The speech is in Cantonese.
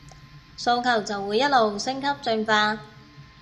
訴求就會一路升級進化